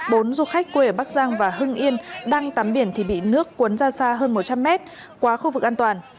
bốn du khách quê ở bắc giang và hưng yên đang tắm biển thì bị nước cuốn ra xa hơn một trăm linh mét quá khu vực an toàn